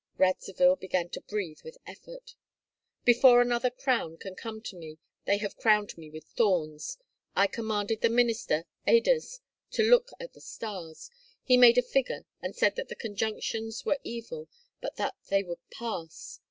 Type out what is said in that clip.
Radzivill began to breathe with effort. "Before another crown can come to me they have crowned me with thorns. I commanded the minister, Aders, to look at the stars. He made a figure and said that the conjunctions were evil, but that they would pass.